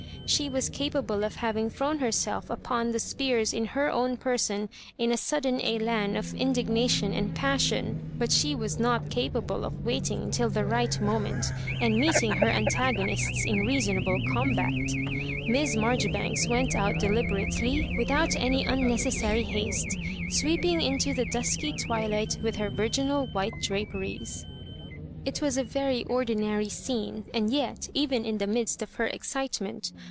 She was capable of having thrown herself upon the spears in her own person in a sudden elan of indignation and passion ; but she was not ca pable of waiting till the right moment, and meet ing her antagonists in reasonable combat Miss Marjoribanks went out deliberately, without any unnecessary haste, sweeping into the dusky twi light with her virginal white draperies. It was a very ordinary scene, and yet, even in the midst of her excitement.